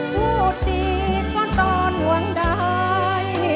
พูดดีกว่าตอนห่วงใด